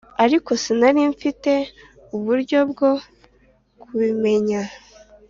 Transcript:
ariko sinari mfite uburyo bwo kubimenya